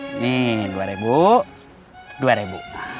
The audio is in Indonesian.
ini rp dua rp dua